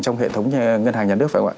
trong hệ thống ngân hàng nhà nước